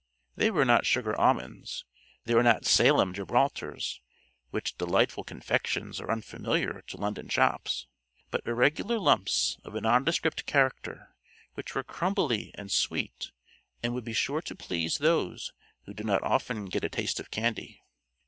They were not sugar almonds, they were not Salem Gibraltars, which delightful confections are unfamiliar to London shops, but irregular lumps of a nondescript character, which were crumbly and sweet, and would be sure to please those who did not often get a taste of candy.